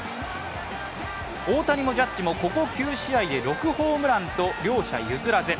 大谷もジャッジもここ９試合で６ホームランと両者譲らず。